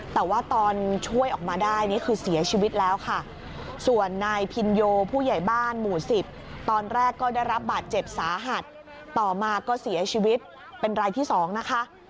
แต่ว่าตอนช่วยออกมาได้นี่คือเสียชีวิตแล้วค่ะส่วนนายพินโยผู้ใหญ่บ้านหมู่๑๐ตอนแรกก็ได้รับบาดเจ็บสาหัสต่อมาก็เสียชีวิตเป็นรายที่๒นะคะ